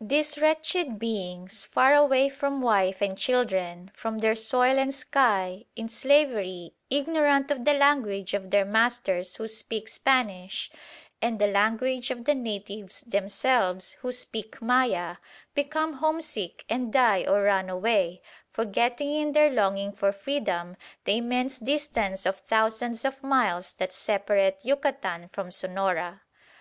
"These wretched beings, far away from wife and children, from their soil and sky, in slavery, ignorant of the language of their masters who speak Spanish, and the language of the natives themselves who speak Maya, become homesick and die or run away, forgetting in their longing for freedom the immense distance of thousands of miles that separate Yucatan from Sonora.